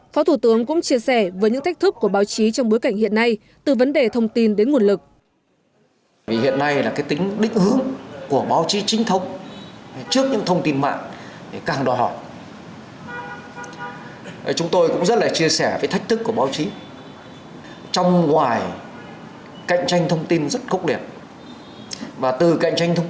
phó thủ tướng cũng chia sẻ với những thách thức của báo chí trong bối cảnh hiện nay từ vấn đề thông tin đến nguồn lực